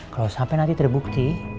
kalo sampe nanti terbukti